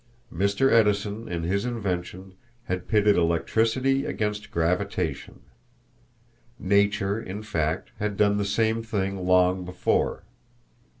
Mr. Edison in his invention had pitted electricity against gravitation. Nature, in fact, had done the same thing long before.